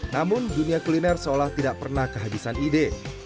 namun dunia kuliner seolah tidak pernah kehabisan ide